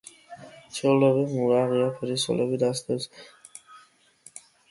ჩვეულებრივ მურაა, ღია ფერის ზოლები დასდევს.